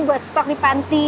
buat stok di panti